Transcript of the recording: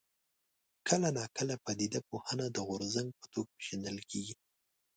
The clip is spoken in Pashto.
کله ناکله پدیده پوهنه د غورځنګ په توګه پېژندل کېږي.